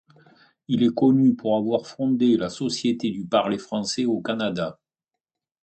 Il est connu pour avoir fondé la Société du parler français au Canada.